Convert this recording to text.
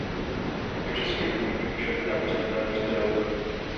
I přes svůj handicap však v táboře dále vyučoval.